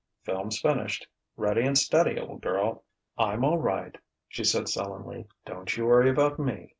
"Film's finished. Ready and steady, old girl." "I'm all right," she said sullenly. "Don't you worry about me."